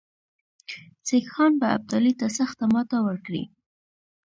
سیکهان به ابدالي ته سخته ماته ورکړي.